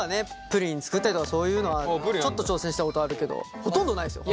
プリン作ったりとかそういうのはちょっと挑戦したことあるけどほとんどないですよ。